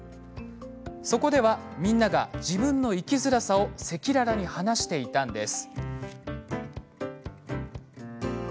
そこでは、みんなが自分の生きづらさを赤裸々に話していたんです。